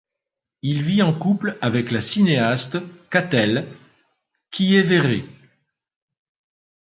Il vit en couple avec la cinéaste Katell Quillévéré.